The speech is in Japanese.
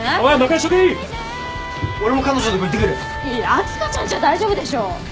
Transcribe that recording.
秋香ちゃんちは大丈夫でしょ！